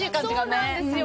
そうなんですよ。